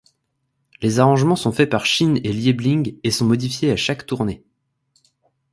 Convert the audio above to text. Les arrangements sont faits par Shinn et Liebling et sont modifiés à chaque tournée.